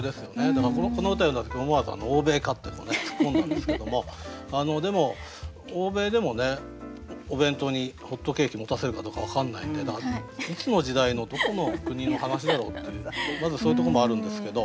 だからこの歌を読んだ時思わず「欧米か！」ってつっこんだんですけどもでも欧米でもお弁当にホットケーキ持たせるかどうか分かんないんでいつの時代のどこの国の話だろうというまずそういうとこもあるんですけど。